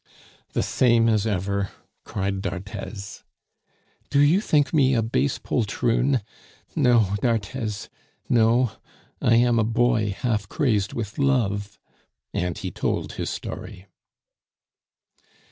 "The same as ever!" cried d'Arthez. "Do you think me a base poltroon? No, d'Arthez; no, I am a boy half crazed with love," and he told his story.